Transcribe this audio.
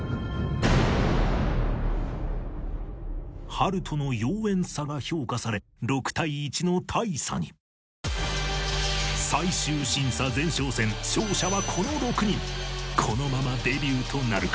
暖人の妖艶さが評価され６対１の大差に最終審査前哨戦勝者はこの６人このままデビューとなるか？